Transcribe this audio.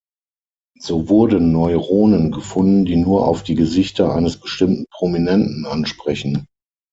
So wurden Neuronen gefunden, die nur auf die Gesichter eines bestimmten Prominenten ansprechen.